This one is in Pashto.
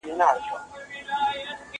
زه هره ورځ تکړښت کوم!؟